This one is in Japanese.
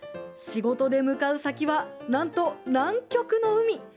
仕事で向かう先はなんと南極の海。